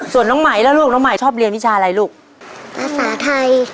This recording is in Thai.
ส่วนน้องไหมแล้วลูกน้องใหม่ชอบเรียนวิชาอะไรลูกภาษาไทย